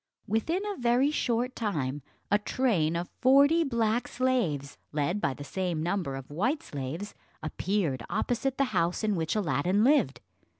Within a very short time, a train of forty black slaves, led by the same number of white slaves, appeared opposite the house in which Aladdin lived.